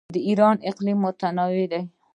د ایران اقلیم متنوع دی.